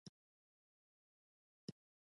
د کرکر کان په کوم ولایت کې دی؟